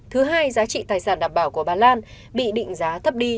thứ hai giá trị tài sản đảm bảo của bà lan bị định giá thấp đi